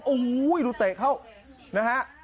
โอ้โหดูเตะเข้านะฮะ